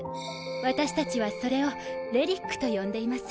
私たちはそれを遺物と呼んでいます。